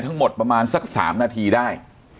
เท่าหมดประมาณสักสามนาทีได้